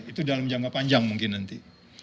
itu dalam jangka panjang mungkin nanti